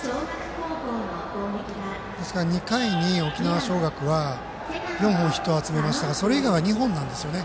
ですから、２回に沖縄尚学は４本ヒットを集めましたがそれ以外は２本なんですよね。